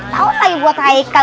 tahu lagi buat haikal